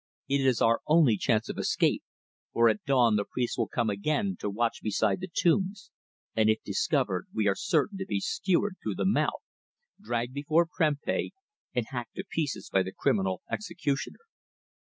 It is our only chance of escape, for at dawn the priests will come again to watch beside the tombs, and if discovered we are certain to be skewered through the mouth, dragged before Prempeh and hacked to pieces by the criminal executioner."